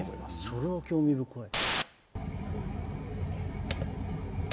それは興味深い。